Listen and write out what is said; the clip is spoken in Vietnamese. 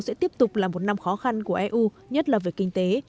sẽ tiếp tục là một năm khó khăn của eu nhất là về kinh tế